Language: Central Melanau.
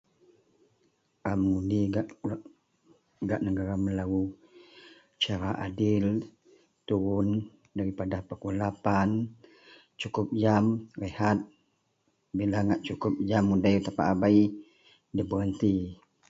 A mengundi gak gak negara melou cara adil turun daripada pukul lapan, cukup jam rehat bila ngak cukup jam udei tapak abei diberhenti.